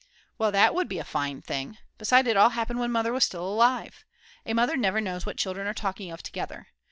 _" Well that would be a fine thing! Besides, it all happened when Mother was still alive. A mother never knows what children are talking of together.